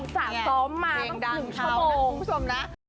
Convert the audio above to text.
สร้างซ้อมมาตั้งคืน๑ชั่วโมง